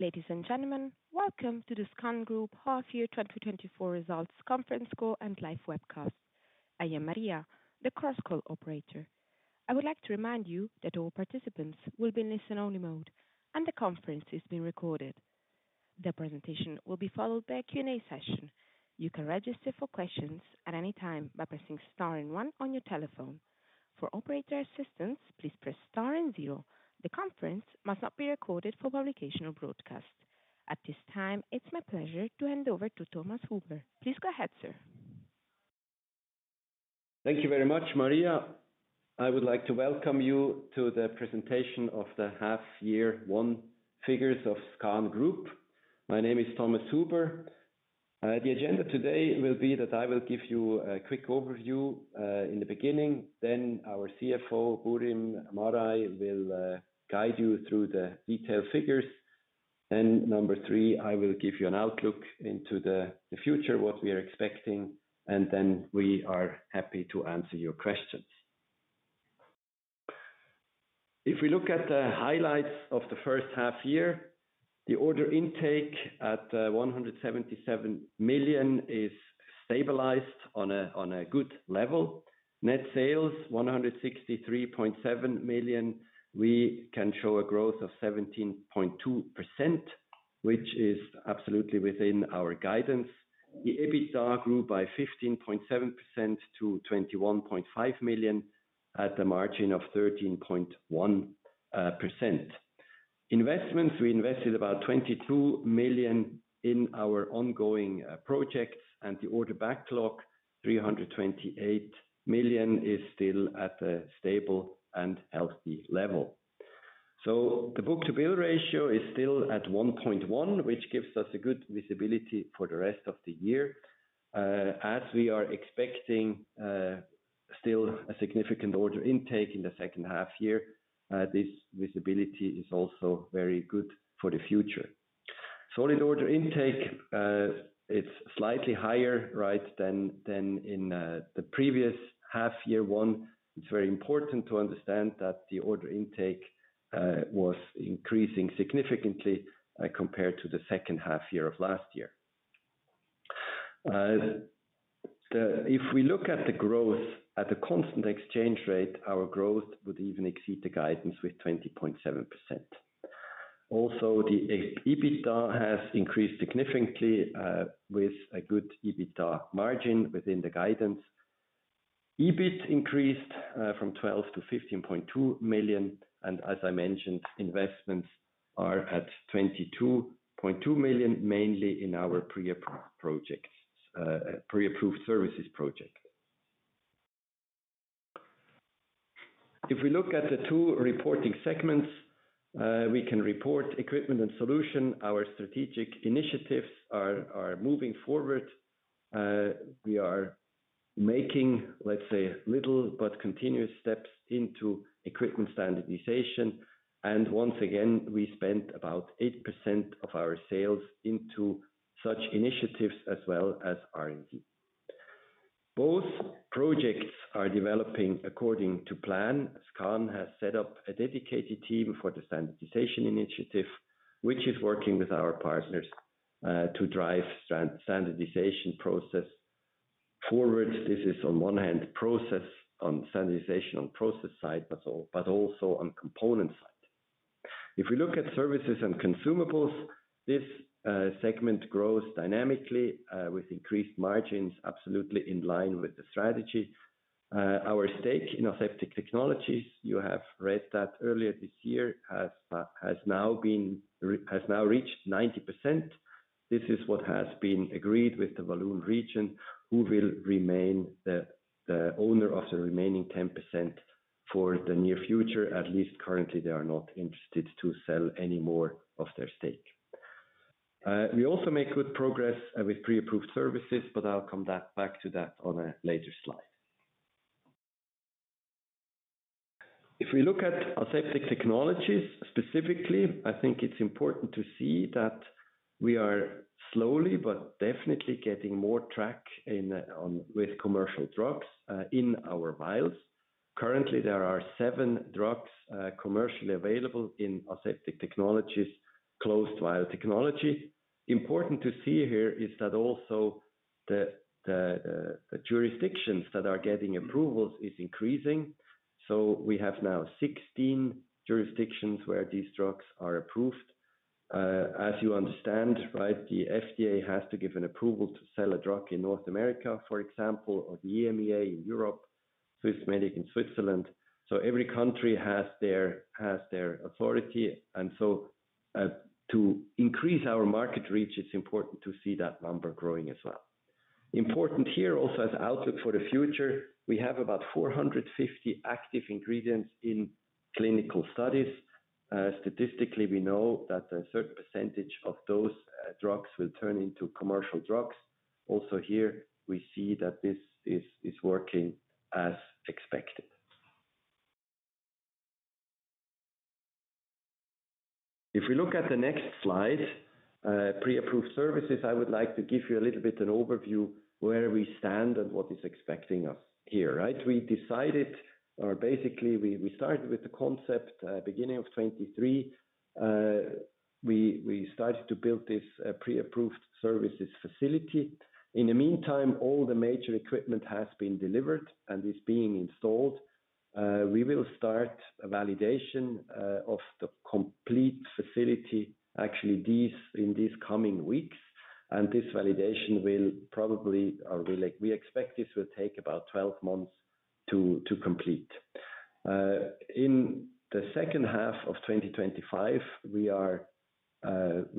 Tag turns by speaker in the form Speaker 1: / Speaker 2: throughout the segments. Speaker 1: Ladies and gentlemen, welcome to the SKAN Group half year 2024 results conference call and live webcast. I am Maria, the conference call operator. I would like to remind you that all participants will be in listen-only mode, and the conference is being recorded. The presentation will be followed by a Q&A session. You can register for questions at any time by pressing star and one on your telephone. For operator assistance, please press star and zero. The conference must not be recorded for publication or broadcast. At this time, it's my pleasure to hand over to Thomas Huber. Please go ahead, sir.
Speaker 2: Thank you very much, Maria. I would like to welcome you to the presentation of the half year one figures of SKAN Group. My name is Thomas Huber. The agenda today will be that I will give you a quick overview in the beginning, then our CFO, Burim Maraj, will guide you through the detailed figures. Number three, I will give you an outlook into the future, what we are expecting, and then we are happy to answer your questions. If we look at the highlights of the first half year, the order intake at 177 million is stabilized on a good level. Net sales, 163.7 million, we can show a growth of 17.2%, which is absolutely within our guidance.
Speaker 3: The EBITDA grew by 15.7% to 21.5 million at the margin of 13.1%. Investments, we invested about 22 million in our ongoing projects, and the order backlog, 328 million, is still at a stable and healthy level. So the book-to-bill ratio is still at 1.1, which gives us a good visibility for the rest of the year. As we are expecting still a significant order intake in the second half year, this visibility is also very good for the future. Solid order intake, it's slightly higher, right, than in the previous half year one. It's very important to understand that the order intake was increasing significantly compared to the second half year of last year. If we look at the growth at a constant exchange rate, our growth would even exceed the guidance with 20.7%. Also, the EBITDA has increased significantly, with a good EBITDA margin within the guidance. EBIT increased from 12 million to 15.2 million, and as I mentioned, investments are at 22.2 million, mainly in our Pre-Approved Services projects. If we look at the two reporting segments, we can report Equipment and Solutions. Our strategic initiatives are moving forward. We are making, let's say, little but continuous steps into equipment standardization, and once again, we spent about 8% of our sales into such initiatives as well as R&D. Both projects are developing according to plan. SKAN has set up a dedicated team for the standardization initiative, which is working with our partners to drive standardization process forward. This is on one hand, process on standardization on process side, but also on component side. If we look at Services and Consumables, this segment grows dynamically with increased margins absolutely in line with the strategy. Our stake in Aseptic Technologies, you have read that earlier this year, has now reached 90%. This is what has been agreed with the Walloon Region, who will remain the owner of the remaining 10% for the near future. At least currently, they are not interested to sell any more of their stake. We also make good progress with Pre-Approved Services, but I'll come back to that on a later slide. If we look at Aseptic Technologies specifically, I think it's important to see that we are slowly but definitely getting more traction with commercial drugs in our vials. Currently, there are seven drugs commercially available in Aseptic Technologies Closed Vial Technology. Important to see here is that also the jurisdictions that are getting approvals is increasing. So we have now 16 jurisdictions where these drugs are approved. As you understand, right, the FDA has to give an approval to sell a drug in North America, for example, or the EMA in Europe, Swissmedic in Switzerland. So every country has their authority, and so to increase our market reach, it's important to see that number growing as well. Important here also as outlook for the future, we have about 450 active ingredients in clinical studies. Statistically, we know that a certain percentage of those drugs will turn into commercial drugs. Also here, we see that this is working as expected. If we look at the next slide, Pre-Approved Services, I would like to give you a little bit an overview where we stand and what is expecting us here, right? We decided or basically we started with the concept beginning of 2023. We started to build this Pre-Approved Services facility. In the meantime, all the major equipment has been delivered and is being installed. We will start a validation of the complete facility, actually, this in these coming weeks. This validation will probably, or we expect this will take about 12 months to complete. In the second half of 2025, we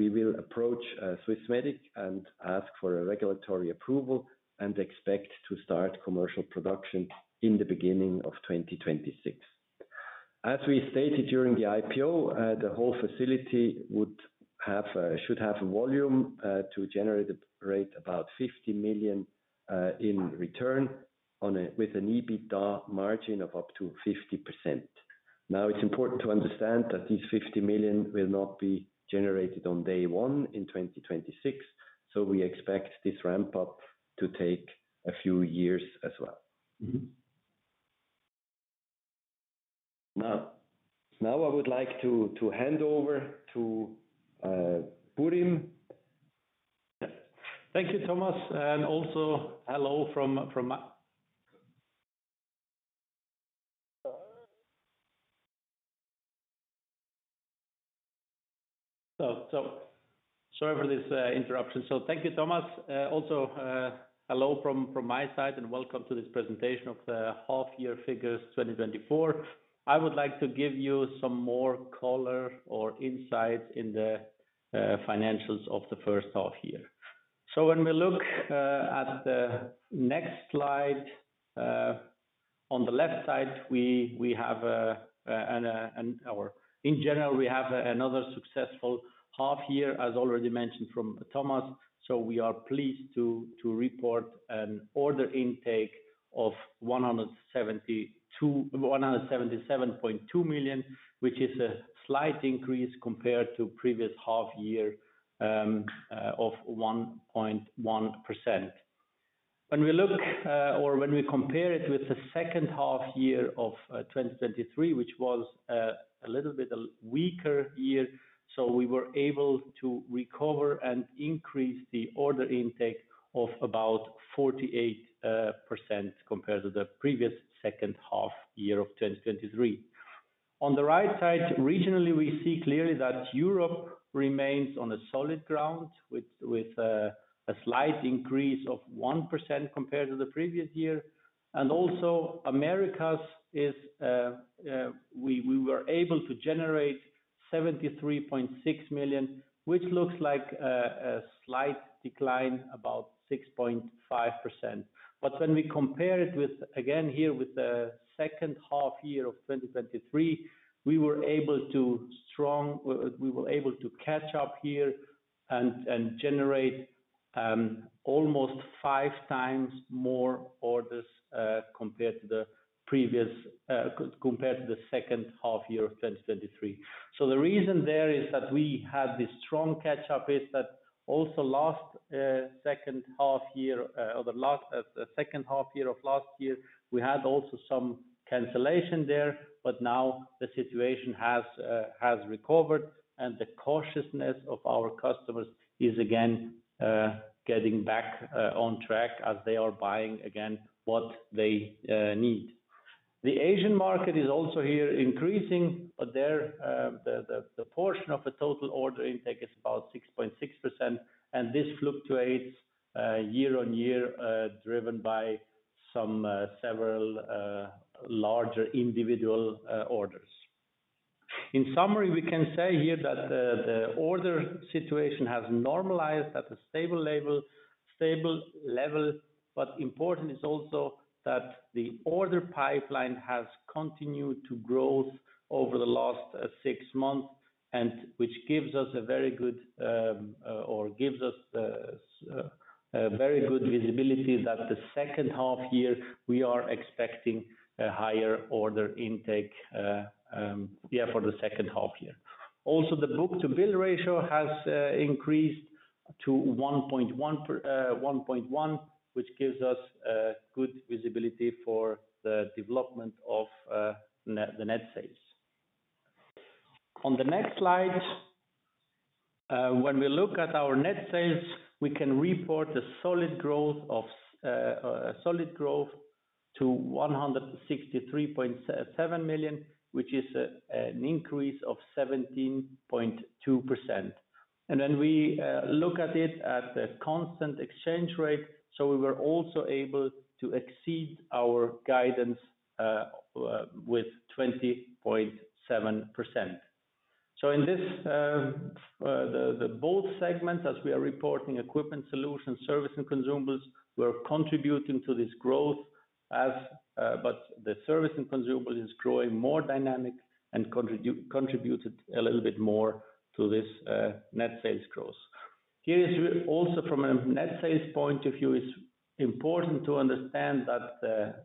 Speaker 3: will approach Swissmedic and ask for a regulatory approval and expect to start commercial production in the beginning of 2026. As we stated during the IPO, the whole facility would have, should have a volume to generate a rate about 50 million in return on a-- with an EBITDA margin of up to 50%. Now, it's important to understand that these 50 million will not be generated on day one in 2026, so we expect this ramp up to take a few years as well. Now, I would like to hand over to Burim. Thank you, Thomas, and also hello from my side. Sorry for this interruption. Thank you, Thomas. Also, hello from my side, and welcome to this presentation of the half year figures 2024. I would like to give you some more color or insights in the financials of the first half year. When we look at the next slide, on the left side, in general, we have another successful half year, as already mentioned from Thomas. We are pleased to report an order intake of 177.2 million, which is a slight increase compared to previous half year of 1.1%. When we look, or when we compare it with the second half year of 2023, which was a little bit weaker year, so we were able to recover and increase the order intake of about 48% compared to the previous second half year of 2023. On the right side, regionally, we see clearly that Europe remains on a solid ground with a slight increase of 1% compared to the previous year. And also, Americas, we were able to generate 73.6 million, which looks like a slight decline, about 6.5%. But when we compare it with, again, here, with the second half year of 2023, we were able to catch up here and generate almost five times more orders compared to the previous compared to the second half year of 2023. So the reason there is that we had this strong catch up is that also last second half year or the last the second half year of last year we had also some cancellation there, but now the situation has recovered, and the cautiousness of our customers is again getting back on track as they are buying again what they need. The Asian market is also here increasing, but there, the portion of the total order intake is about 6.6%, and this fluctuates year-on-year, driven by some several larger individual orders. In summary, we can say here that the order situation has normalized at a stable level, but important is also that the order pipeline has continued to grow over the last six months, and which gives us a very good visibility that the second half year, we are expecting a higher order intake for the second half year. Also, the book-to-bill ratio has increased to 1.1, which gives us good visibility for the development of the net sales. On the next slide, when we look at our net sales, we can report a solid growth to 163.7 million, which is an increase of 17.2%. And then we look at it at the constant exchange rate, so we were also able to exceed our guidance with 20.7%. So in this, both segments, as we are reporting, equipment solutions, Service and Consumables, we're contributing to this growth as, but the Service and Consumables is growing more dynamic and contributed a little bit more to this, net sales growth. Here is also from a net sales point of view, it's important to understand that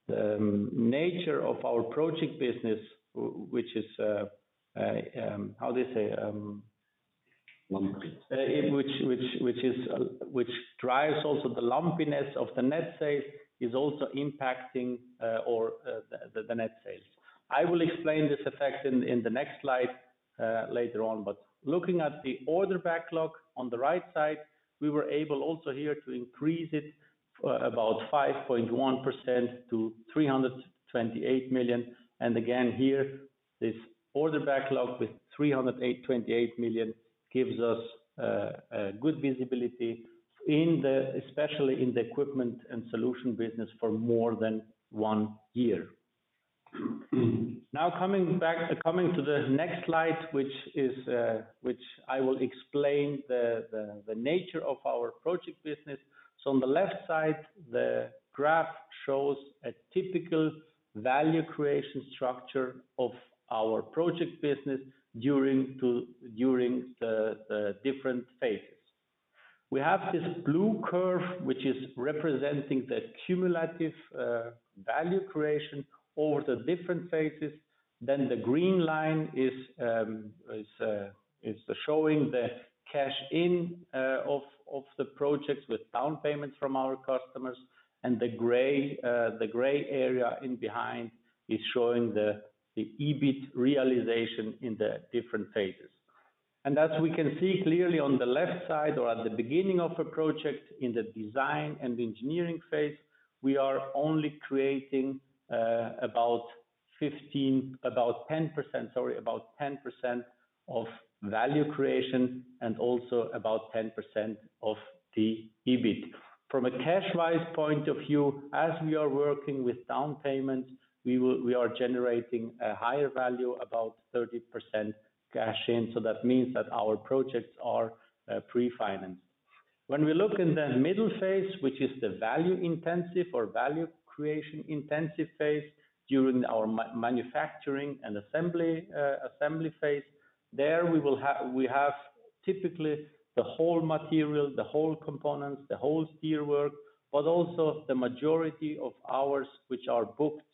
Speaker 3: the nature of our project business, which is, how they say?
Speaker 2: Lumpiness.
Speaker 3: In which drives also the lumpiness of the net sales, is also impacting or the net sales. I will explain this effect in the next slide later on, but looking at the order backlog on the right side, we were able also here to increase it about 5.1% to 328 million, and again, here, this order backlog with 328 million gives us a good visibility in the, especially in the Equipment and Solutions business, for more than one year. Now, coming to the next slide, which I will explain the nature of our project business, so on the left side, the graph shows a typical value creation structure of our project business during the different phases. We have this blue curve, which is representing the cumulative value creation over the different phases. Then the green line is showing the cash in of the projects with down payments from our customers, and the gray area in behind is showing the EBIT realization in the different phases. As we can see clearly on the left side or at the beginning of a project in the design and engineering phase, we are only creating about fifteen, about 10%, sorry, about 10% of value creation and also about 10% of the EBIT. From a cash-wise point of view, as we are working with down payments, we are generating a higher value, about 30% cash in. That means that our projects are pre-financed. When we look in the middle phase, which is the value intensive or value creation intensive phase, during our manufacturing and assembly phase, there we have typically the whole material, the whole components, the whole steelwork, but also the majority of hours, which are booked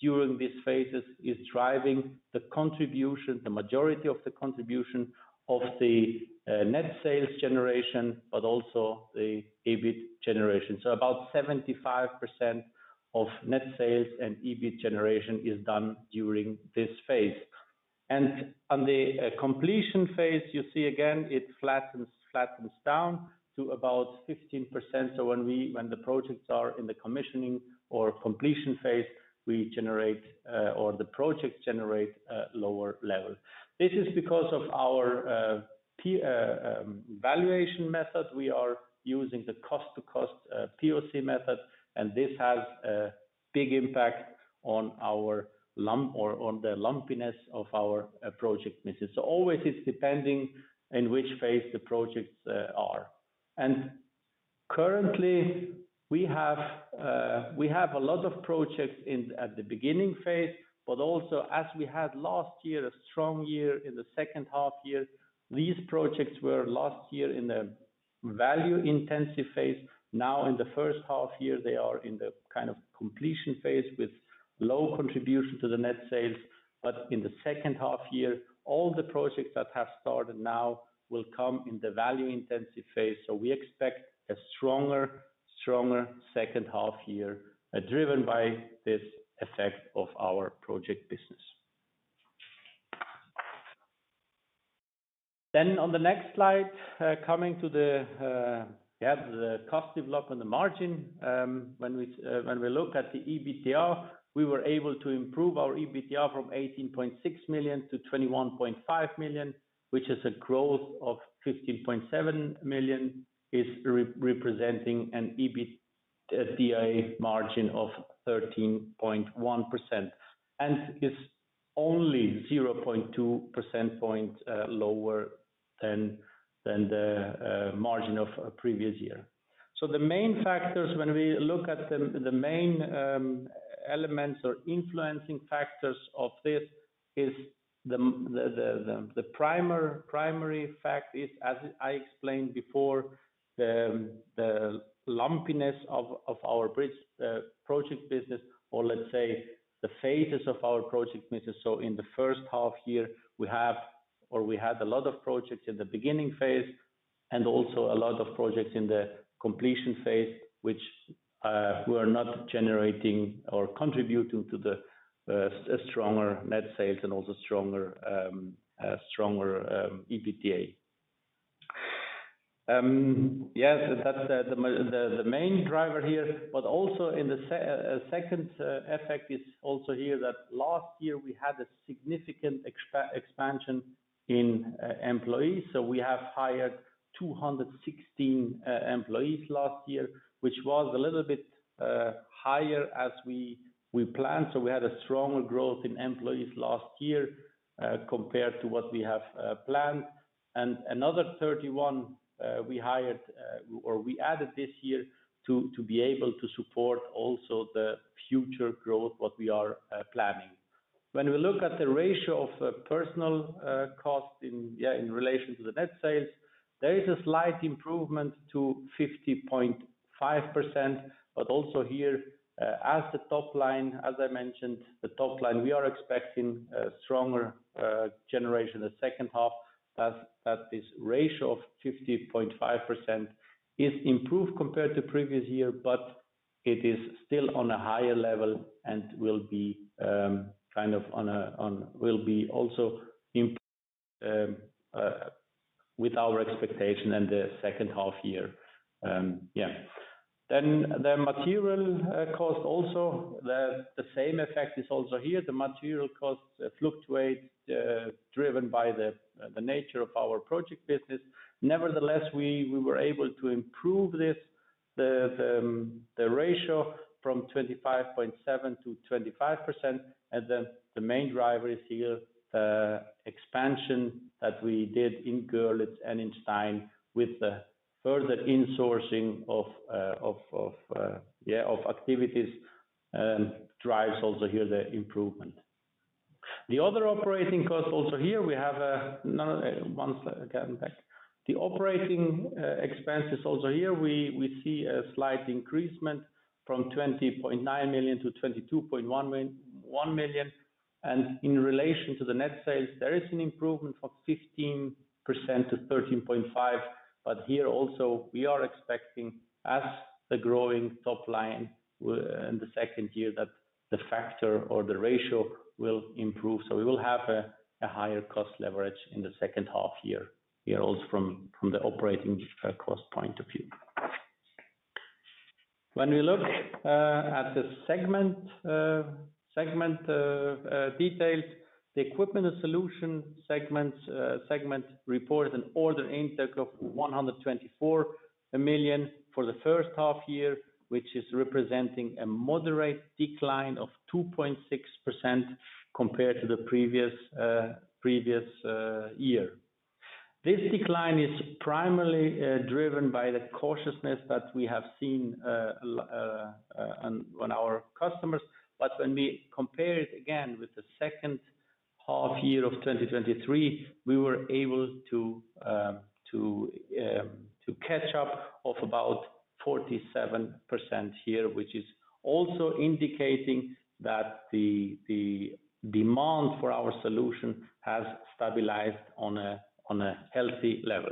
Speaker 3: during these phases, is driving the contribution, the majority of the contribution of the net sales generation, but also the EBIT generation. So about 75% of net sales and EBIT generation is done during this phase. And on the completion phase, you see again, it flattens down to about 15%. So when the projects are in the commissioning or completion phase, we generate, or the projects generate a lower level. This is because of our valuation method. We are using the cost to cost POC method, and this has a big impact on the lumpiness of our project business. So always it's depending in which phase the projects are. And currently, we have a lot of projects in the beginning phase, but also as we had last year, a strong year in the second half year, these projects were last year in a value intensive phase. Now, in the first half year, they are in the kind of completion phase with low contribution to the net sales. But in the second half year, all the projects that have started now will come in the value intensive phase. So we expect a stronger second half year driven by this effect of our project business. On the next slide, coming to the cost development and the margin. When we look at the EBITDA, we were able to improve our EBITDA from 18.6 million to 21.5 million, which is a growth of 15.7%, representing an EBITDA margin of 13.1%, and is only 0.2 percentage point lower than the margin of previous year. So the main factors, when we look at the main elements or influencing factors of this, is the primary fact is, as I explained before, the lumpiness of our large project business, or let's say, the phases of our project business. So, in the first half year, we have or we had a lot of projects in the beginning phase, and also a lot of projects in the completion phase, which were not generating or contributing to the stronger net sales and also stronger EBITDA. Yes, that's the main driver here, but also the second effect is also here, that last year we had a significant expansion in employees. So, we have hired 216 employees last year, which was a little bit higher as we planned. So, we had a stronger growth in employees last year compared to what we have planned. We hired or added another 31 this year to be able to support also the future growth that we are planning. When we look at the ratio of personnel cost in relation to the net sales, there is a slight improvement to 50.5%, but also here, as the top line, as I mentioned, the top line, we are expecting a stronger generation in the second half, that this ratio of 50.5% is improved compared to previous year, but it is still on a higher level and will be also improved with our expectation in the second half year. Then the material cost also, the same effect is also here. The material costs fluctuate, driven by the nature of our project business. Nevertheless, we were able to improve this, the ratio from 25.7% to 25%, and then the main driver is here, expansion that we did in Görlitz and in Stein with the further insourcing of activities, drives also here the improvement. The other operating costs, also here, we have. The operating expenses, also here, we see a slight increasement from 20.9 million to 22.1 million. And in relation to the net sales, there is an improvement from 15% to 13.5%, but here also, we are expecting as the growing top line, in the second year, that the factor or the ratio will improve. So we will have a higher cost leverage in the second half year, here also from the operating cost point of view. When we look at the segment details, the Equipment and Solutions segments report an order intake of 124 million for the first half year, which is representing a moderate decline of 2.6% compared to the previous year. This decline is primarily driven by the cautiousness that we have seen on our customers. But when we compare it again with the second half year of 2023, we were able to catch up of about 47% here, which is also indicating that the demand for our solution has stabilized on a healthy level.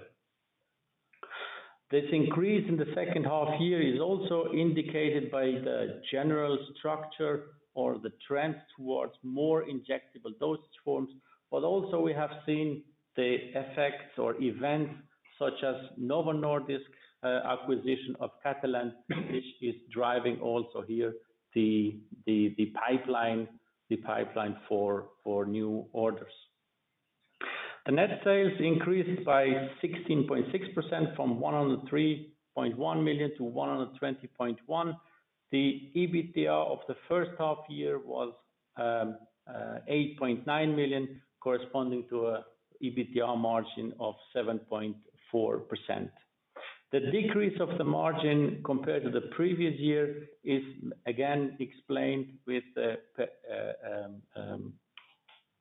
Speaker 3: This increase in the second half year is also indicated by the general structure or the trend towards more injectable dose forms. But also we have seen the effects or events such as Novo Nordisk acquisition of Catalent, which is driving also here the pipeline for new orders. The net sales increased by 16.6% from 103.1 million to 120.1 million. The EBITDA of the first half year was 8.9 million, corresponding to a EBITDA margin of 7.4%. The decrease of the margin compared to the previous year is again explained with the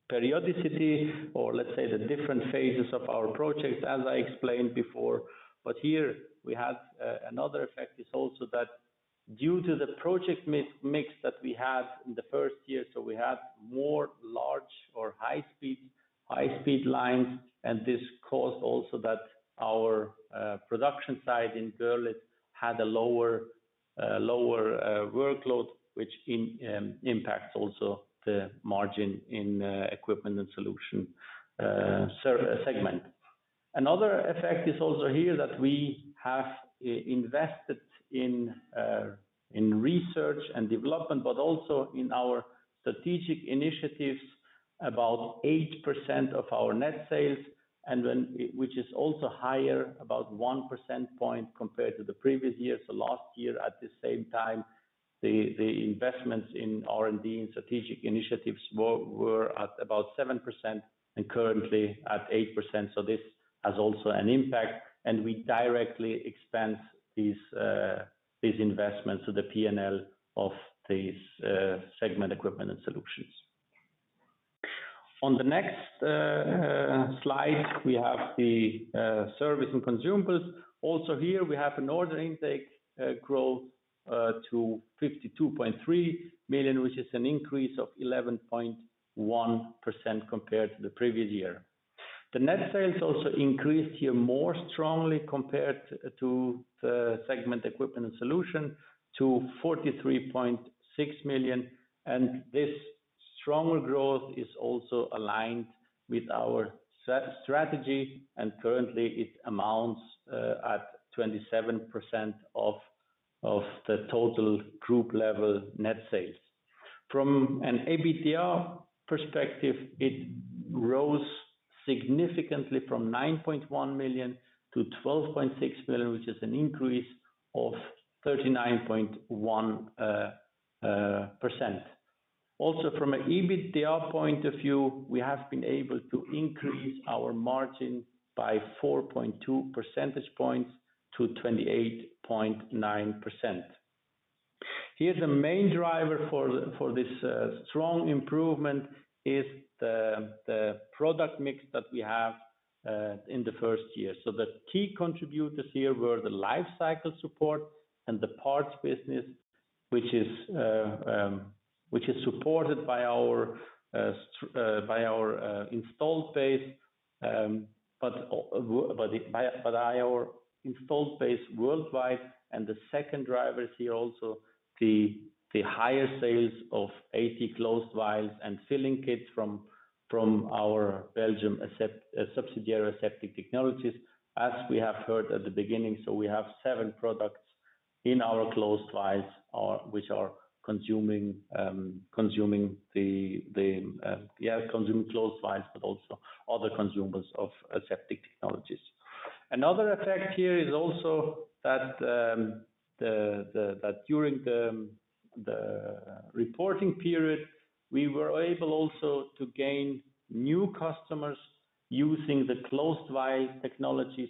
Speaker 3: periodicity, or let's say, the different phases of our projects, as I explained before. But here we have another effect, which is also that due to the project mix that we have in the first year, so we have more large or high speed lines, and this caused also that our production site in Görlitz had a lower workload, which impacts also the margin in Equipment and Solutions segment. Another effect is also here, that we have invested in research and development, but also in our strategic initiatives, about 8% of our net sales, which is also higher, about 1 percentage point compared to the previous year. So last year, at the same time, the investments in R&D and strategic initiatives were at about 7% and currently at 8%. This has also an impact, and we directly expand these investments to the P&L of these segment Equipment and Solutions. On the next slide, we have the Service and Consumables. Also here, we have an order intake growth to 52.3 million, which is an increase of 11.1% compared to the previous year. The net sales also increased here more strongly compared to the segment Equipment and Solutions to 43.6 million, and this stronger growth is also aligned with our strategy, and currently it amounts at 27% of the total group level net sales. From an EBITDA perspective, it rose significantly from 9.1 million to 12.6 million, which is an increase of 39.1%. Also, from an EBITDA point of view, we have been able to increase our margin by 4.2 percentage points to 28.9%. Here, the main driver for this strong improvement is the product mix that we have in the first year. So the key contributors here were the Lifecycle Support and the parts business, which is supported by our installed base worldwide. And the second driver is here also the higher sales of AT Closed Vials and filling kits from our Belgium subsidiary, Aseptic Technologies, as we have heard at the beginning. We have seven products in our Closed Vials, which are consuming Closed Vials, but also other consumables of Aseptic Technologies. Another effect here is also that during the reporting period, we were able also to gain new customers using the Closed Vial technologies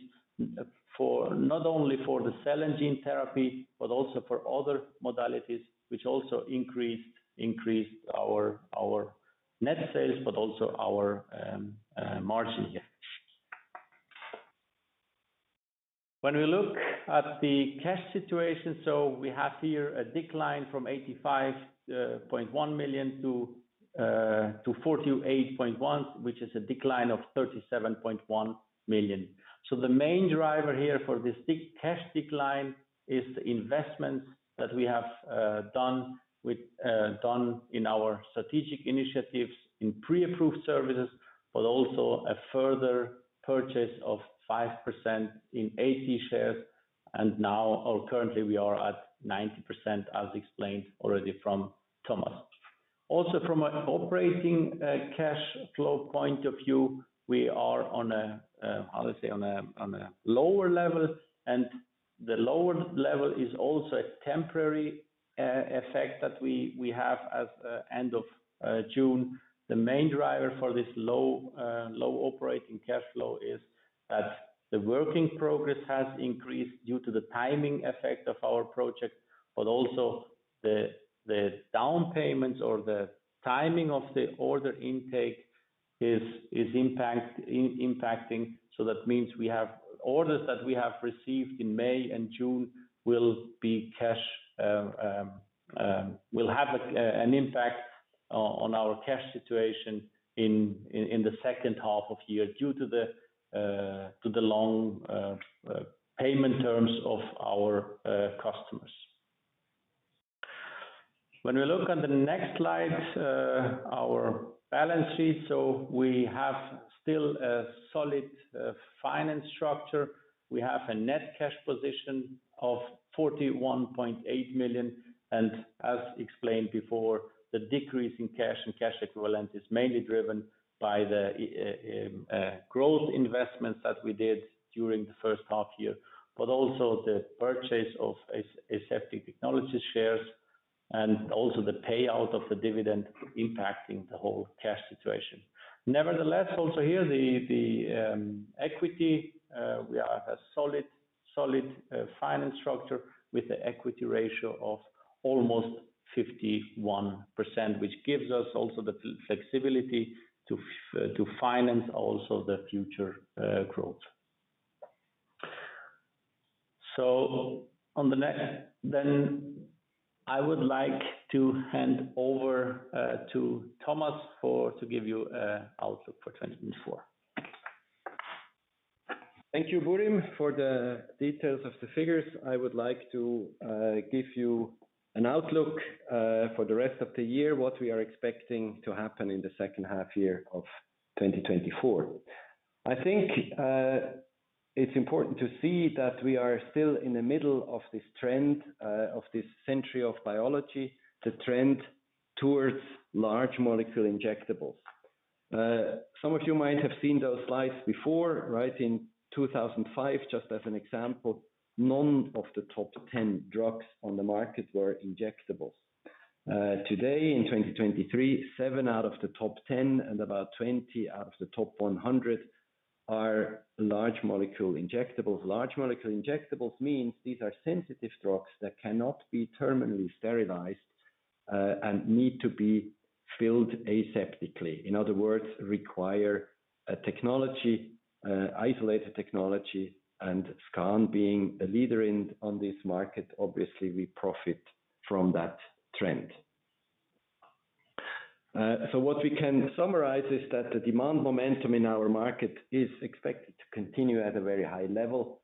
Speaker 3: for not only the cell and gene therapy, but also for other modalities, which also increased our net sales, but also our margin here. When we look at the cash situation, we have here a decline from 85.1 million to 48.1million, which is a decline of 37.1 million. So the main driver here for this net cash decline is the investments that we have done in our strategic initiatives in Pre-Approved Services, but also a further purchase of 5% in AT shares, and now or currently we are at 90%, as explained already from Thomas. Also, from an operating cash flow point of view, we are on a, I would say, lower level, and the lower level is also a temporary effect that we have as of end of June. The main driver for this low operating cash flow is that the work in progress has increased due to the timing effect of our project, but also the down payments or the timing of the order intake is impacting. That means we have orders that we have received in May and June will be cash, will have an impact on our cash situation in the second half of year, due to the long payment terms of our customers. When we look on the next slide, our balance sheet, so we have still a solid financial structure. We have a net cash position of 41.8 million, and as explained before, the decrease in cash and cash equivalent is mainly driven by the growth investments that we did during the first half year, but also the purchase of Aseptic Technologies shares and also the payout of the dividend impacting the whole cash situation. Nevertheless, also here, the equity, we are a solid financial structure with an equity ratio of almost 51%, which gives us also the flexibility to finance also the future growth. So, next, then I would like to hand over to Thomas to give you an outlook for 2024.
Speaker 2: Thank you, Burim, for the details of the figures. I would like to give you an outlook for the rest of the year, what we are expecting to happen in the second half year of 2024. I think it's important to see that we are still in the middle of this trend of this century of biology, the trend towards large molecule injectables. Some of you might have seen those slides before, right? In 2005, just as an example, none of the top 10 drugs on the market were injectables. Today, in 2023, seven out of the top 10 and about 20 out of the top 100 are large molecule injectables. Large molecule injectables means these are sensitive drugs that cannot be terminally sterilized and need to be filled aseptically.
Speaker 3: In other words, require isolator technology, and SKAN, being a leader in, on this market, obviously, we profit from that trend. So what we can summarize is that the demand momentum in our market is expected to continue at a very high level.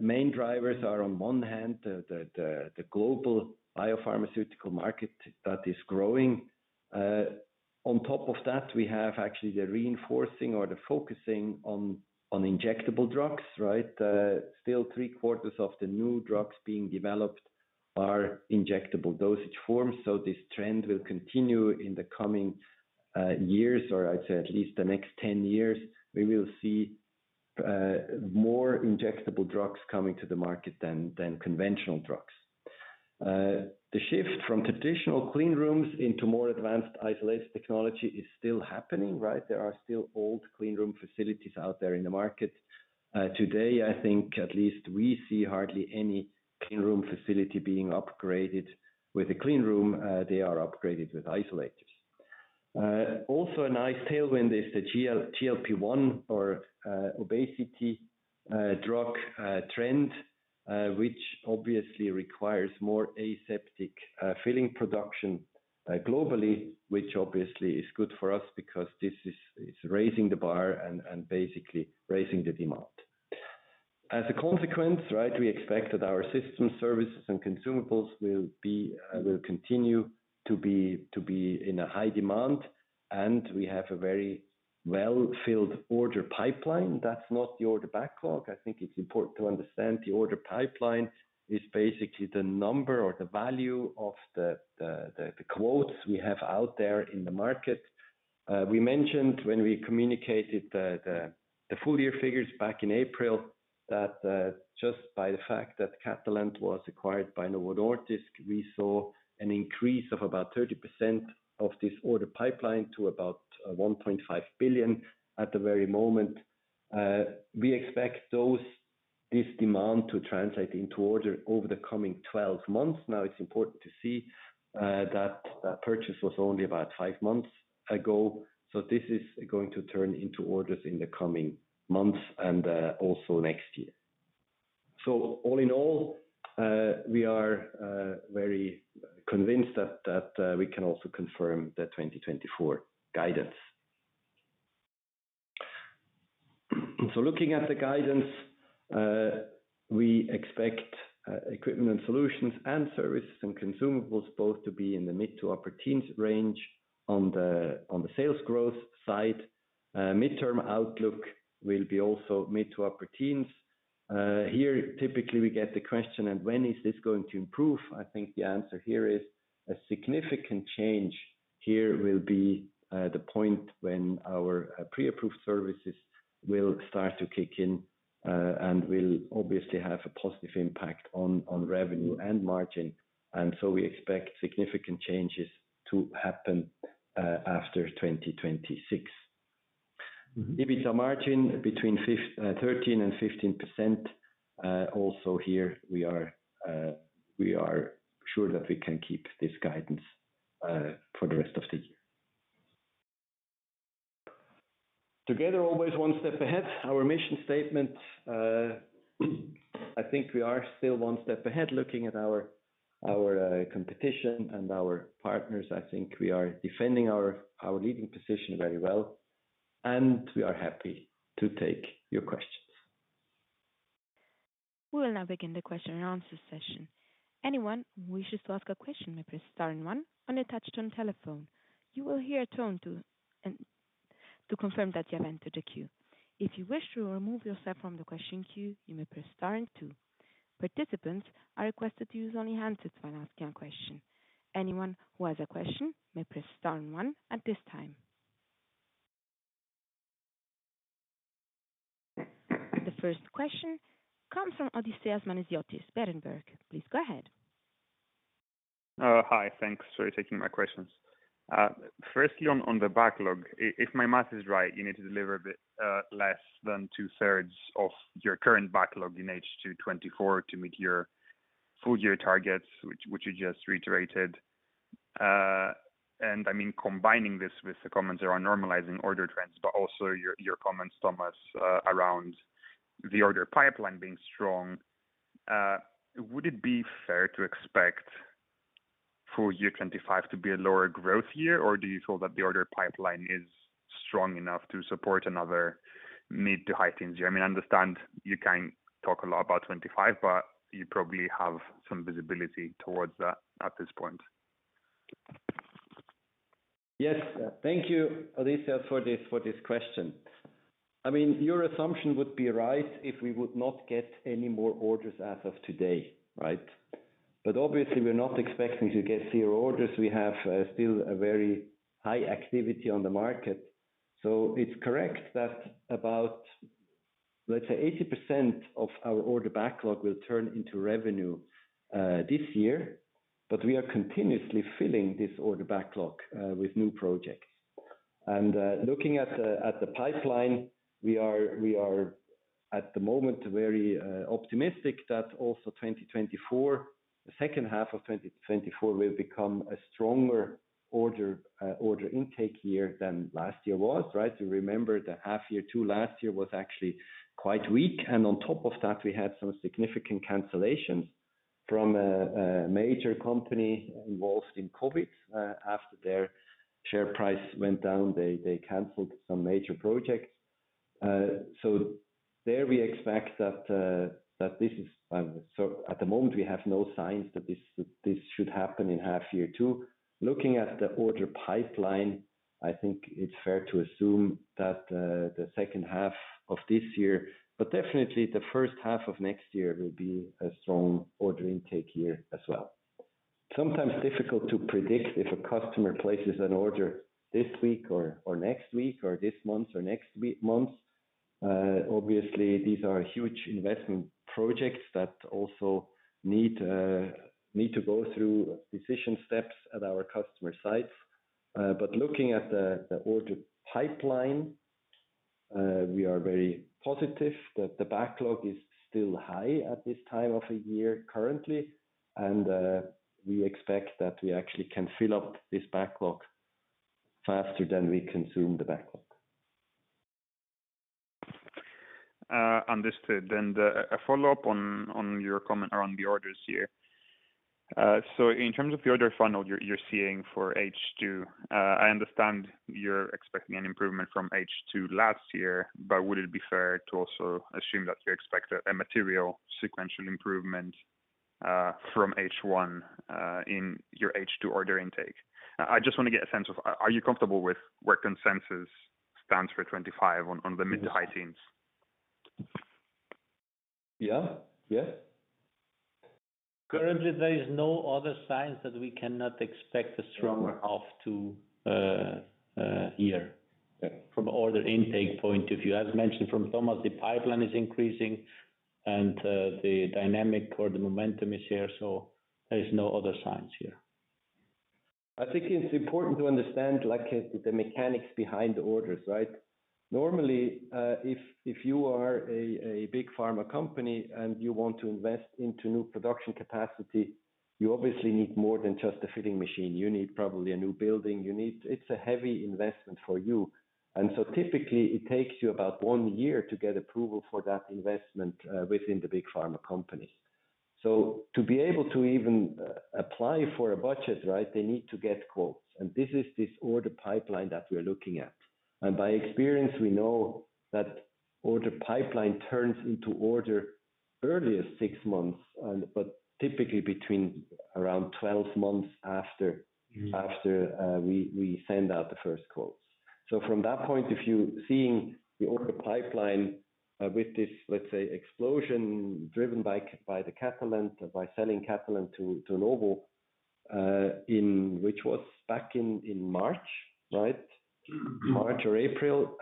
Speaker 3: Main drivers are, on one hand, the global biopharmaceutical market that is growing. On top of that, we have actually the reinforcing or the focusing on injectable drugs, right? Still three-quarters of the new drugs being developed are injectable dosage forms, so this trend will continue in the coming years, or I'd say at least the next 10 years. We will see more injectable drugs coming to the market than conventional drugs. The shift from traditional clean rooms into more advanced isolator technology is still happening, right? There are still old clean room facilities out there in the market. Today, I think at least we see hardly any clean room facility being upgraded with a clean room. They are upgraded with isolators. Also, a nice tailwind is the GLP-1 or obesity drug trend, which obviously requires more aseptic filling production globally, which obviously is good for us because this is raising the bar and basically raising the demand. As a consequence, right, we expect that our system Services and Consumables will be, will continue to be in a high demand, and we have a very well-filled order pipeline. That's not the order backlog. I think it's important to understand the order pipeline is basically the number or the value of the quotes we have out there in the market. We mentioned when we communicated the full year figures back in April, that just by the fact that Catalent was acquired by Novo Nordisk, we saw an increase of about 30% of this order pipeline to about 1.5 billion at the very moment. We expect this demand to translate into orders over the coming 12 months. Now, it is important to see that that purchase was only about five months ago, so this is going to turn into orders in the coming months and also next year. So all in all, we are very convinced that we can also confirm the 2024 guidance. So looking at the guidance, we expect equipment solutions and Services and Consumables both to be in the mid to upper teens range on the sales growth side. Midterm outlook will be also mid to upper teens. Here, typically we get the question: and when is this going to improve? I think the answer here is, a significant change here will be the point when our Pre-Approved Services will start to kick in, and will obviously have a positive impact on revenue and margin, and so we expect significant changes to happen after 2026. EBITDA margin between 13% and 15%, also here, we are sure that we can keep this guidance for the rest of the year. Together, always one step ahead. Our mission statement, I think we are still one step ahead looking at our competition and our partners. I think we are defending our leading position very well, and we are happy to take your questions.
Speaker 1: We will now begin the question and answer session. Anyone wishes to ask a question may press star and one on a touch-tone telephone. You will hear a tone to confirm that you have entered the queue. If you wish to remove yourself from the question queue, you may press star and two. Participants are requested to use only handsets when asking a question. Anyone who has a question may press star and one at this time. The first question comes from Odysseas Manesiotis, Berenberg. Please go ahead.
Speaker 4: Hi, thanks for taking my questions. Firstly, on the backlog, if my math is right, you need to deliver a bit less than two-thirds of your current backlog in H2 2024 to meet your full year targets, which you just reiterated, and I mean, combining this with the comments around normalizing order trends, but also your comments, Thomas, around the order pipeline being strong, would it be fair to expect full year 2025 to be a lower growth year, or do you feel that the order pipeline is strong enough to support another mid to high teens? I mean, I understand you can't talk a lot about 2025, but you probably have some visibility towards that at this point.
Speaker 2: Yes. Thank you, Odysseas, for this question. I mean, your assumption would be right if we would not get any more orders as of today, right? But obviously, we're not expecting to get zero orders. We have still a very high activity on the market. So it's correct that about, let's say, 80% of our order backlog will turn into revenue this year, but we are continuously filling this order backlog with new projects. And looking at the pipeline, we are at the moment very optimistic that also 2024, the second half of 2024, will become a stronger order intake year than last year was, right?
Speaker 3: You remember the half year two last year was actually quite weak, and on top of that, we had some significant cancellations from a major company involved in COVID. After their share price went down, they canceled some major projects. So there we expect that this is, so at the moment, we have no signs that this should happen in half year two. Looking at the order pipeline, I think it's fair to assume that the second half of this year, but definitely the first half of next year, will be a strong order intake year as well. Sometimes difficult to predict if a customer places an order this week or next week or this month or next month. Obviously, these are huge investment projects that also need to go through decision steps at our customer site. But looking at the order pipeline, we are very positive that the backlog is still high at this time of the year currently, and we expect that we actually can fill up this backlog faster than we consume the backlog.
Speaker 4: Understood. Then a follow-up on your comment around the orders here. So in terms of the order funnel you're seeing for H2, I understand you're expecting an improvement from H2 last year, but would it be fair to also assume that you expect a material sequential improvement from H1 in your H2 order intake? I just wanna get a sense of are you comfortable with where consensus stands for 25 on the mid to high teens?
Speaker 2: Yeah. Yes.
Speaker 3: Currently, there is no other signs that we cannot expect a stronger half to year.
Speaker 4: Okay
Speaker 3: From order intake point of view. As mentioned from Thomas, the pipeline is increasing and, the dynamic or the momentum is here, so there is no other signs here.
Speaker 2: I think it's important to understand, like, the mechanics behind the orders, right? Normally, if you are a big pharma company and you want to invest into new production capacity, you obviously need more than just a filling machine. You need probably a new building. You need. It's a heavy investment for you, and so typically it takes you about one year to get approval for that investment, within the big pharma company. So to be able to even apply for a budget, right, they need to get quotes, and this is this order pipeline that we're looking at. And by experience, we know that order pipeline turns into order earliest six months and... but typically between around 12 months after, after, we send out the first quotes.
Speaker 3: So from that point, if you're seeing the order pipeline, with this, let's say, explosion driven by the Catalent, by selling Catalent to Novo, in which was back in March, right? March or April.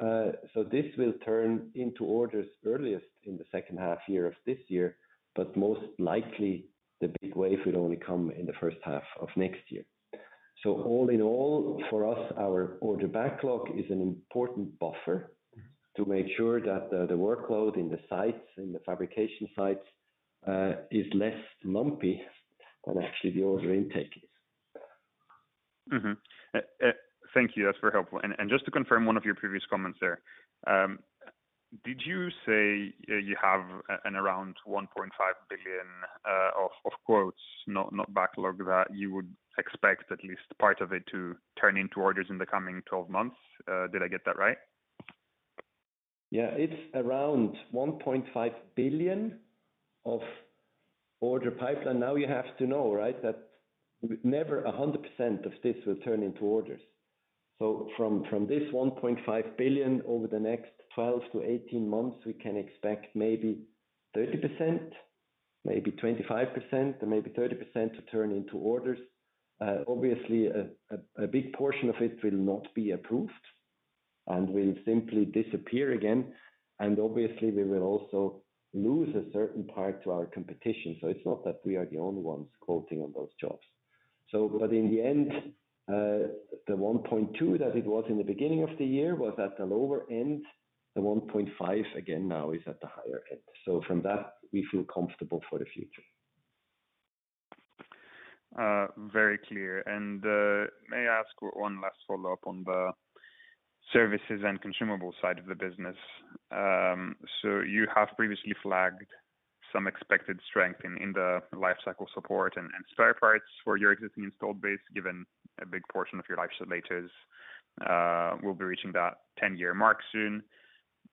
Speaker 3: So this will turn into orders earliest in the second half year of this year, but most likely, the big wave would only come in the first half of next year. So all in all, for us, our order backlog is an important buffer to make sure that the workload in the sites, in the fabrication sites, is less lumpy than actually the order intake is.
Speaker 4: Mm-hmm. Thank you. That's very helpful. And just to confirm one of your previous comments there, did you say you have around 1.5 billion of quotes, not backlog, that you would expect at least part of it to turn into orders in the coming 12 months? Did I get that right?
Speaker 2: Yeah. It's around 1.5 billion of order pipeline. Now, you have to know, right, that never 100% of this will turn into orders. So from this 1.5 billion, over the next 12 to 18 months, we can expect maybe 30%, maybe 25%, and maybe 30% to turn into orders. Obviously, a big portion of it will not be approved and will simply disappear again, and obviously, we will also lose a certain part to our competition. So it's not that we are the only ones quoting on those jobs. So, but in the end, the 1.2 billion that it was in the beginning of the year was at the lower end. The 1.5 billion, again, now is at the higher end. So from that, we feel comfortable for the future.
Speaker 4: Very clear, and may I ask one last follow-up on the Services and Consumables side of the business? So you have previously flagged some expected strength in the Lifecycle Support and spare parts for your existing installed base, given a big portion of your isolators will be reaching that 10-year mark soon,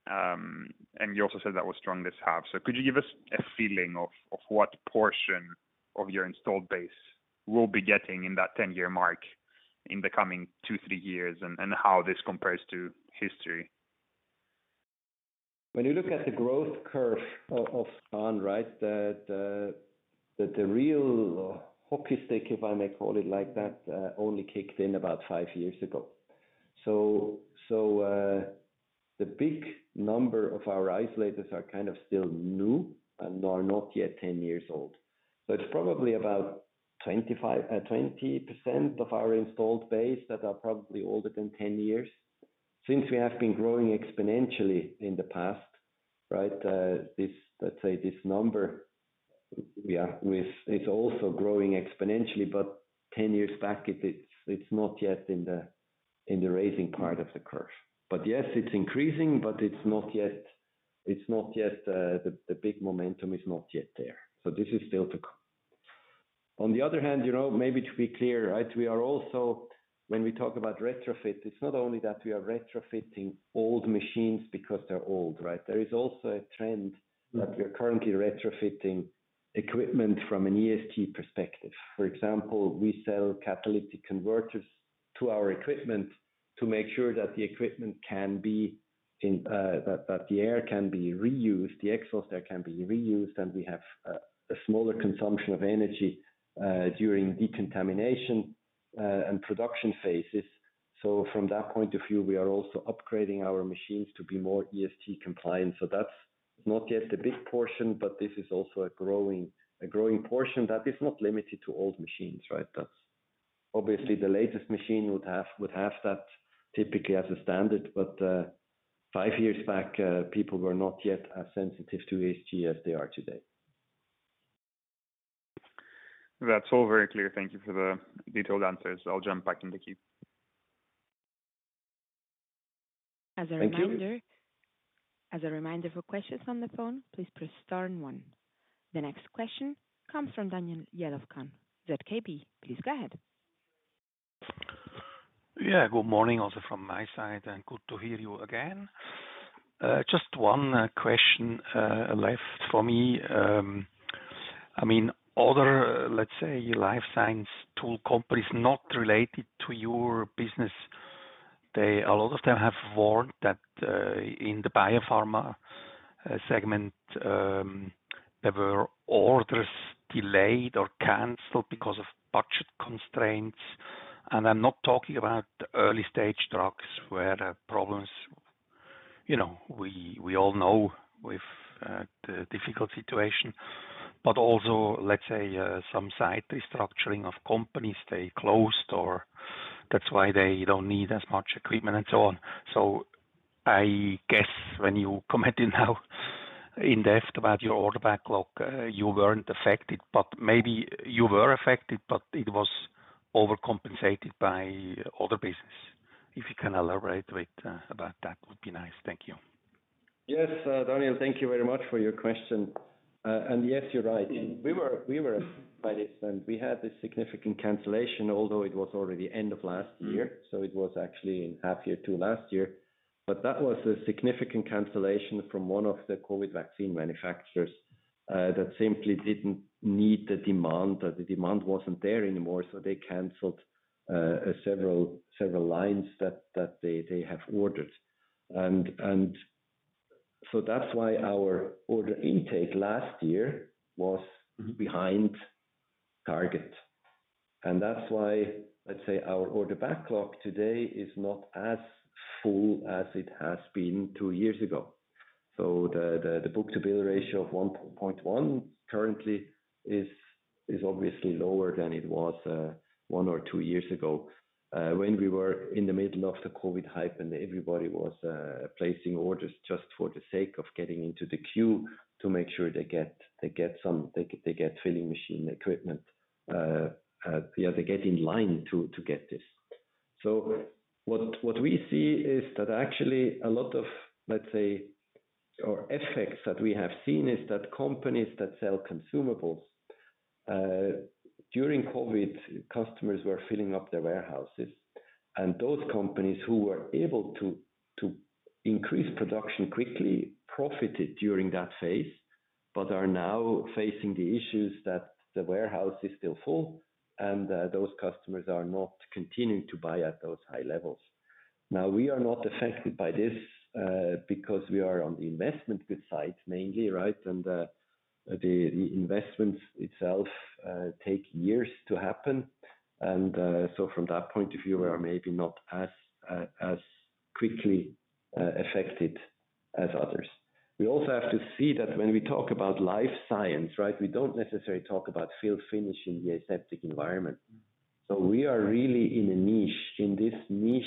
Speaker 4: and you also said that was strong this half. So could you give us a feeling of what portion of your installed base will be hitting that 10-year mark in the coming two, three years, and how this compares to history?
Speaker 2: When you look at the growth curve of SKAN, right, the real hockey stick, if I may call it like that, only kicked in about five years ago. The big number of our isolators are kind of still new and are not yet 10 years old. It's probably about 25%, 20% of our installed base that are probably older than 10 years. Since we have been growing exponentially in the past, right, this number is also growing exponentially, but 10 years back, it's not yet in the rising part of the curve. Yes, it's increasing, but it's not yet the big momentum is not yet there. This is still to come.
Speaker 3: On the other hand, you know, maybe to be clear, right, we are also, when we talk about retrofit, it's not only that we are retrofitting old machines because they're old, right? There is also a trend that we are currently retrofitting equipment from an ESG perspective. For example, we sell catalytic converters to our equipment to make sure that the equipment can be in, that the air can be reused, the exhaust air can be reused, and we have a smaller consumption of energy during decontamination and production phases. So from that point of view, we are also upgrading our machines to be more ESG compliant. So that's it. It's not yet a big portion, but this is also a growing portion that is not limited to old machines, right? That's obviously the latest machine would have that typically as a standard, but five years back, people were not yet as sensitive to ESG as they are today.
Speaker 4: That's all very clear. Thank you for the detailed answers. I'll jump back in the queue.
Speaker 1: As a reminder-
Speaker 2: Thank you.
Speaker 1: As a reminder, for questions on the phone, please press star and one. The next question comes from Daniel Jelovcan, ZKB. Please go ahead.
Speaker 5: Yeah, good morning also from my side and good to hear you again. Just one question left for me. I mean, other, let's say, life science tool companies not related to your business, they, a lot of them have warned that, in the biopharma segment, there were orders delayed or canceled because of budget constraints. And I'm not talking about early stage drugs where the problems, you know, we all know with, the difficult situation, but also, let's say, some site restructuring of companies, they closed or that's why they don't need as much equipment and so on. So I guess when you commented how in-depth about your order backlog, you weren't affected, but maybe you were affected, but it was overcompensated by other business. If you can elaborate with, about that, would be nice. Thank you.
Speaker 2: Yes, Daniel, thank you very much for your question. And yes, you're right. We were affected by this, and we had this significant cancellation, although it was already end of last year, so it was actually in half year two last year, but that was a significant cancellation from one of the COVID vaccine manufacturers that simply didn't need the demand, or the demand wasn't there anymore, so they canceled several lines that they have ordered. And so that's why our order intake last year was behind target, and that's why, let's say our order backlog today is not as full as it has been two years ago.
Speaker 3: So the book-to-bill ratio of 1.1 currently is obviously lower than it was one or two years ago, when we were in the middle of the COVID hype and everybody was placing orders just for the sake of getting into the queue to make sure they get filling machine equipment. Yeah, they get in line to get this. So what we see is that actually a lot of, let's say, the effects that we have seen is that companies that sell consumables during COVID customers were filling up their warehouses, and those companies who were able to increase production quickly profited during that phase, but are now facing the issues that the warehouse is still full and those customers are not continuing to buy at those high levels. Now, we are not affected by this, because we are on the investment goods side, mainly, right? And, the investments itself take years to happen. And, so from that point of view, we are maybe not as quickly affected as others. We also have to see that when we talk about life science, right, we don't necessarily talk about fill-finish in the aseptic environment. So we are really in a niche, in this niche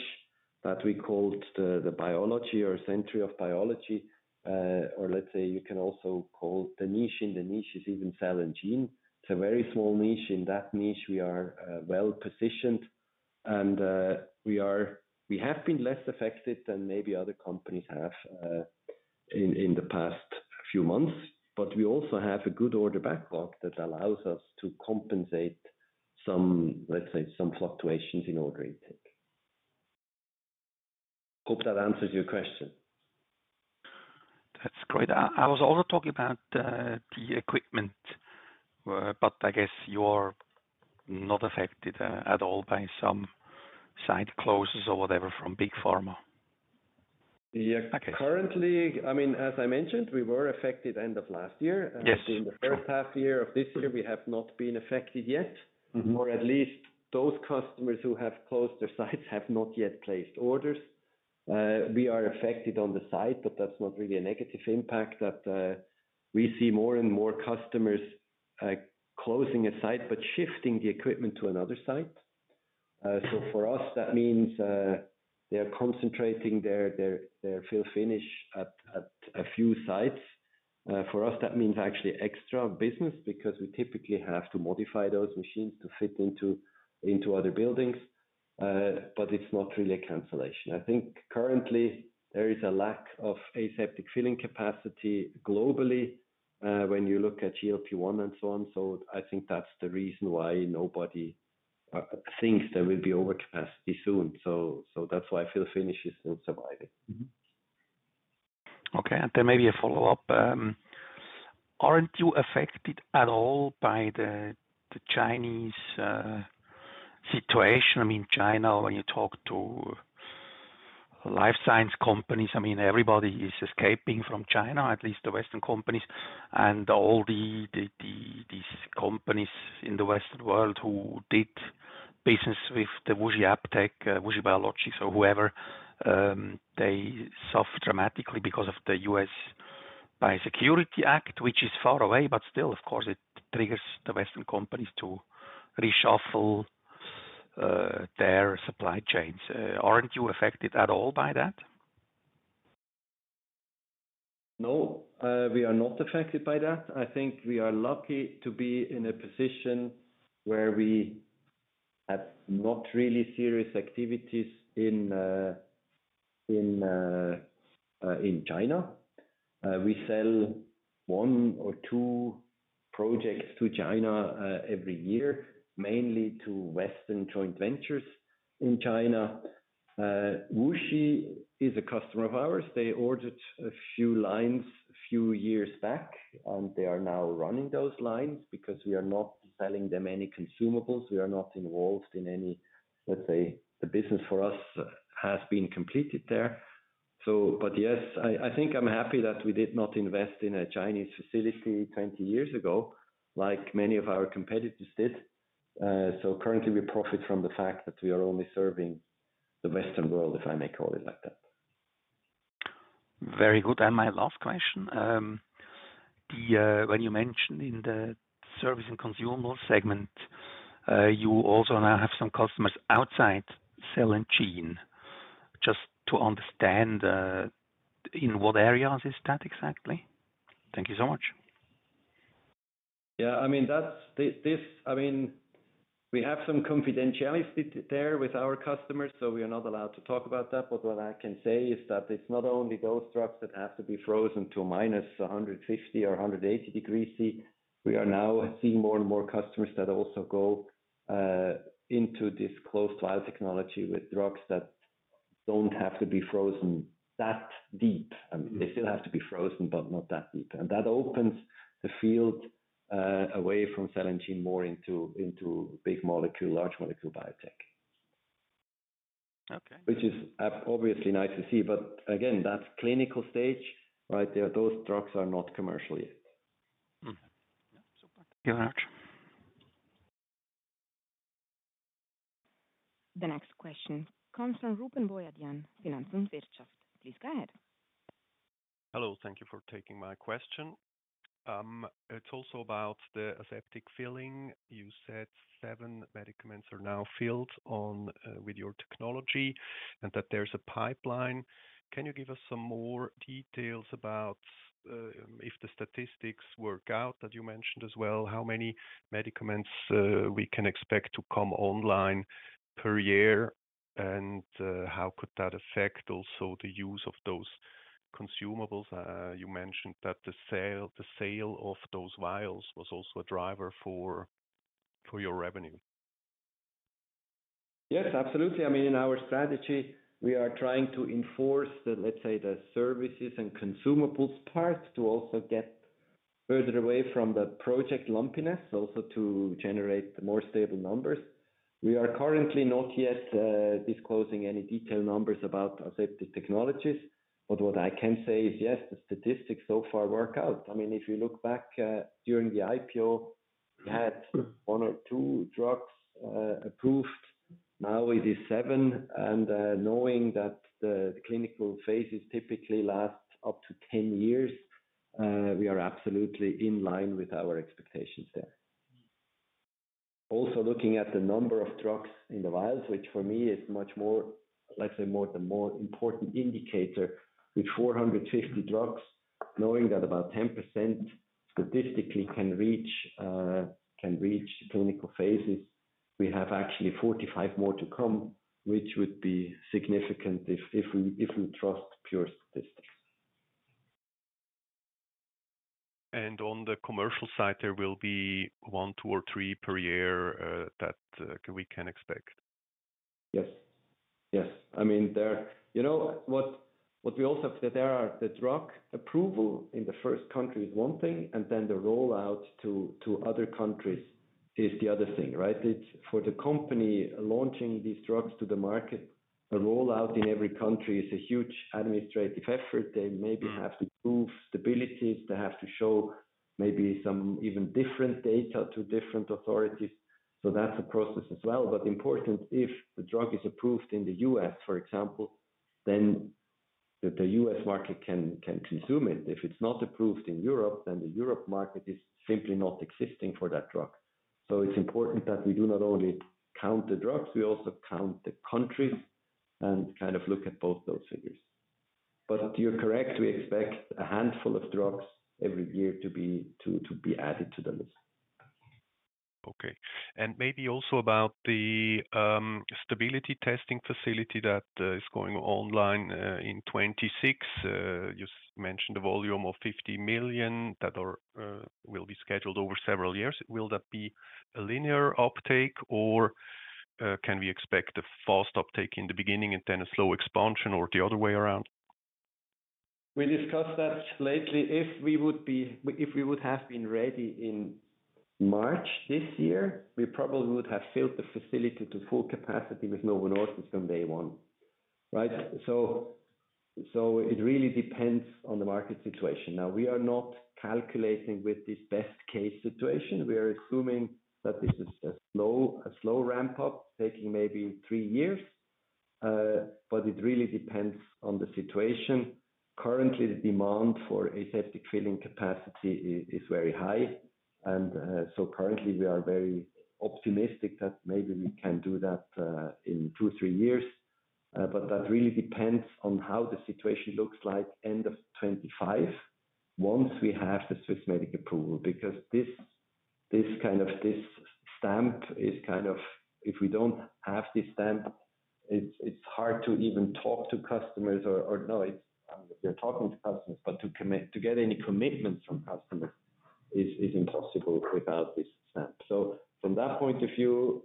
Speaker 3: that we call the biology or century of biology. Or let's say you can also call the niche in the niche is even cell and gene. It's a very small niche. In that niche, we are well positioned and we have been less affected than maybe other companies have in the past few months. But we also have a good order backlog that allows us to compensate some, let's say, some fluctuations in order intake. Hope that answers your question.
Speaker 5: That's great. I was also talking about the equipment, but I guess you're not affected at all by some site closures or whatever, from big pharma.
Speaker 2: Yeah.
Speaker 5: Okay.
Speaker 2: Currently, I mean, as I mentioned, we were affected end of last year.
Speaker 5: Yes.
Speaker 2: In the first half year of this year, we have not been affected yet.
Speaker 5: Mm-hmm.
Speaker 2: Or at least those customers who have closed their sites have not yet placed orders. We are affected on the site, but that's not really a negative impact, that we see more and more customers closing a site, but shifting the equipment to another site. So for us, that means they are concentrating their fill-finish at a few sites. For us, that means actually extra business, because we typically have to modify those machines to fit into other buildings, but it's not really a cancellation. I think currently there is a lack of aseptic filling capacity globally, when you look at GLP-1 and so on. So I think that's the reason why nobody thinks there will be overcapacity soon. So that's why fill-finish is still surviving.
Speaker 5: Okay, and there may be a follow-up. Aren't you affected at all by the Chinese situation? I mean, China, when you talk to life science companies, I mean, everybody is escaping from China, at least the Western companies and all the these companies in the Western world who did business with the WuXi AppTec, WuXi Biologics or whoever, they suffer dramatically because of the U.S. Biosecurity Act, which is far away, but still, of course, it triggers the Western companies to reshuffle their supply chains. Aren't you affected at all by that?
Speaker 2: No, we are not affected by that. I think we are lucky to be in a position where we have not really serious activities in China. We sell one or two projects to China every year, mainly to Western joint ventures in China. WuXi is a customer of ours. They ordered a few lines a few years back, and they are now running those lines because we are not selling them any consumables. We are not involved in any. Let's say, the business for us has been completed there. But yes, I think I'm happy that we did not invest in a Chinese facility 20 years ago, like many of our competitors did. Currently, we profit from the fact that we are only serving the Western world, if I may call it like that.
Speaker 5: Very good. And my last question, when you mentioned in the service and consumable segment, you also now have some customers outside cell and gene. Just to understand, in what areas is that exactly? Thank you so much.
Speaker 2: Yeah, I mean, we have some confidentiality there with our customers, so we are not allowed to talk about that. But what I can say is that it's not only those drugs that have to be frozen to minus 150 or 180 degrees Celsius. We are now seeing more and more customers that also go into this Closed Vial Technology with drugs that don't have to be frozen that deep. I mean, they still have to be frozen, but not that deep. And that opens the field away from cell and gene, more into big molecule, large molecule biotech.
Speaker 5: Okay.
Speaker 2: Which is obviously nice to see, but again, that's clinical stage, right? Those drugs are not commercial yet.
Speaker 5: Mm-hmm. Thank you very much.
Speaker 1: The next question comes from Rupen Boyadjian, Finanz und Wirtschaft. Please go ahead.
Speaker 6: Hello, thank you for taking my question. It's also about the aseptic filling. You said seven medicaments are now filled on, with your technology and that there's a pipeline. Can you give us some more details about, if the statistics work out, that you mentioned as well, how many medicaments, we can expect to come online per year? And, how could that affect also the use of those consumables? You mentioned that the sale of those vials was also a driver for your revenue.
Speaker 2: Yes, absolutely. I mean, in our strategy, we are trying to enforce the, let's say, the Services and Consumables part, to also get further away from the project lumpiness, also to generate more stable numbers. We are currently not yet disclosing any detailed numbers about Aseptic Technologies, but what I can say is, yes, the statistics so far work out. I mean, if you look back, during the IPO, we had one or two drugs approved. Now it is seven, and knowing that the clinical phases typically last up to 10 years, we are absolutely in line with our expectations there. Also, looking at the number of drugs in the vials, which for me is much more, let's say, the more important indicator.
Speaker 3: With 450 drugs, knowing that about 10% statistically can reach clinical phases, we have actually 45 more to come, which would be significant if we trust pure statistics.
Speaker 6: On the commercial side, there will be one, two, or three per year that we can expect?
Speaker 2: Yes. Yes. I mean, You know, what we also forget there are the drug approval in the first country is one thing, and then the rollout to other countries is the other thing, right? It's, for the company, launching these drugs to the market, a rollout in every country is a huge administrative effort. They maybe have to prove stability. They have to show maybe some even different data to different authorities, so that's a process as well. But important, if the drug is approved in the U.S., for example, then the U.S. market can consume it. If it's not approved in Europe, then the Europe market is simply not existing for that drug. So it's important that we do not only count the drugs, we also count the countries and kind of look at both those figures.
Speaker 3: But you're correct, we expect a handful of drugs every year to be added to the list.
Speaker 6: Okay. And maybe also about the stability testing facility that is going online in 2026. You mentioned a volume of 50 million that will be scheduled over several years. Will that be a linear uptake, or can we expect a fast uptake in the beginning and then a slow expansion, or the other way around?
Speaker 2: We discussed that lately. If we would have been ready in March this year, we probably would have filled the facility to full capacity with Novo Nordisk from day one. Right? So, so it really depends on the market situation. Now, we are not calculating with this best-case situation. We are assuming that this is a slow, a slow ramp-up, taking maybe three years, but it really depends on the situation. Currently, the demand for aseptic filling capacity is, is very high, and, so currently we are very optimistic that maybe we can do that, in two, three years. But that really depends on how the situation looks like end of 2025, once we have the Swissmedic approval.
Speaker 3: Because this kind of stamp is kind of—if we don't have this stamp, it's hard to even talk to customers or. No, it's, we are talking to customers, but to get any commitments from customers is impossible without this stamp. So from that point of view,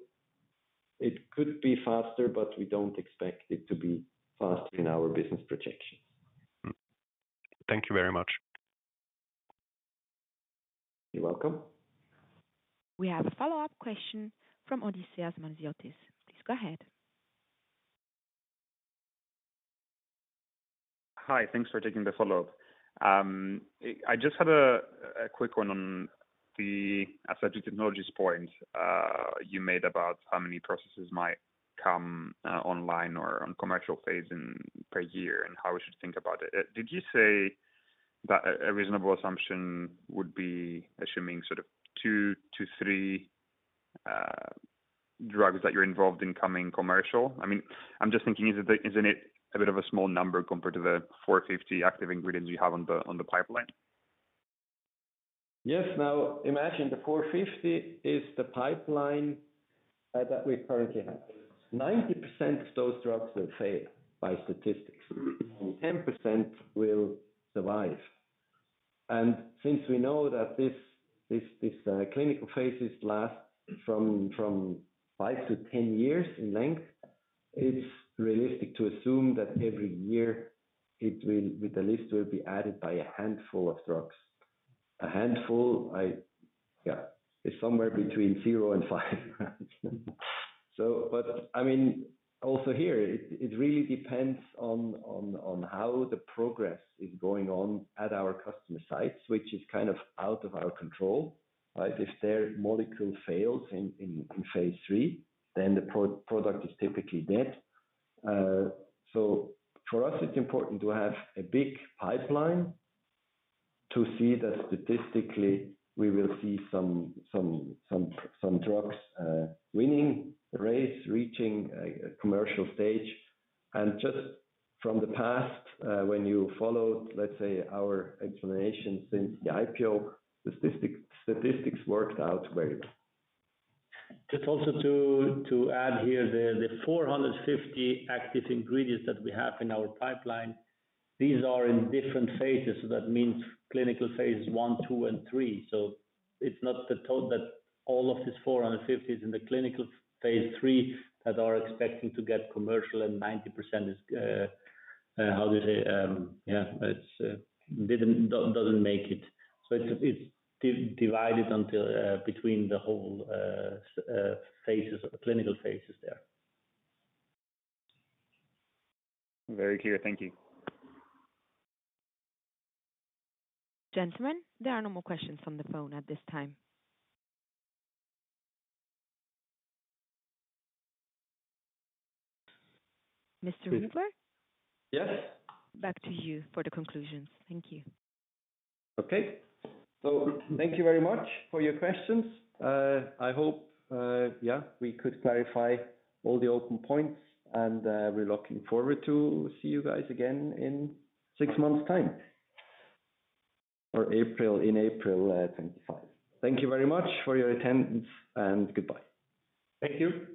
Speaker 3: it could be faster, but we don't expect it to be faster in our business projections.
Speaker 6: Thank you very much.
Speaker 2: You're welcome.
Speaker 1: We have a follow-up question from Odysseas Manesiotis. Please go ahead.
Speaker 4: Hi, thanks for taking the follow-up. I just had a quick one on the Aseptic Technologies point you made about how many processes might come online or on commercial phase in per year, and how we should think about it. Did you say that a reasonable assumption would be assuming sort of two to three drugs that you're involved in coming commercial? I mean, I'm just thinking, is it the, isn't it a bit of a small number compared to the 450 active ingredients you have on the pipeline?
Speaker 2: Yes. Now, imagine the 450 is the pipeline that we currently have. 90% of those drugs will fail by statistics, only 10% will survive. And since we know that this clinical phases last from 5 to 10 years in length, it's realistic to assume that every year the list will be added by a handful of drugs. A handful, yeah, it's somewhere between zero and five. So but, I mean, also here, it really depends on how the progress is going on at our customer sites, which is kind of out of our control, right? If their molecule fails in phase III, then the product is typically dead.
Speaker 3: So for us, it's important to have a big pipeline to see that statistically we will see some drugs winning the race, reaching a commercial stage. And just from the past, when you followed, let's say, our explanation since the IPO, statistics worked out very well. Just also to add here, the 450 active ingredients that we have in our pipeline. These are in different phases. So that means clinical phases I, II, and III. So it's not the total that all of these 450 is in the clinical phase III that are expecting to get commercial, and 90% is, how do you say, doesn't make it. So it's divided until between the whole phases, clinical phases there.
Speaker 4: Very clear. Thank you.
Speaker 1: Gentlemen, there are no more questions on the phone at this time. Mr. Huber?
Speaker 2: Yes.
Speaker 1: Back to you for the conclusions. Thank you.
Speaker 2: Okay. So thank you very much for your questions. I hope, yeah, we could clarify all the open points, and we're looking forward to see you guys again in six months' time, or April, in April, 2025. Thank you very much for your attendance, and goodbye.
Speaker 3: Thank you.